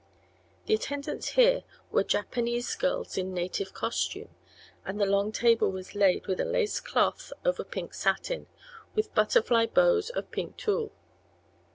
The attendants here were Japanese girls in native costume, and the long table was laid with a lace cloth over pink satin, with butterfly bows of pink tulle.